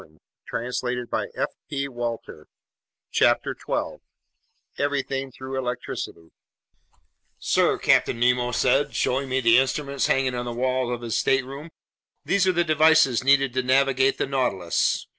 I sat, and he began speaking as follows: CHAPTER 12 Everything through Electricity "SIR," CAPTAIN NEMO SAID, showing me the instruments hanging on the walls of his stateroom, "these are the devices needed to navigate the Nautilus.